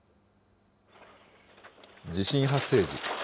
地震発生時。